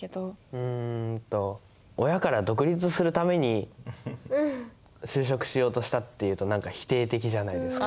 うんと親から独立するために就職しようとしたって言うと何か否定的じゃないですか。